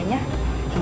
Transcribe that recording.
hanya tetep ini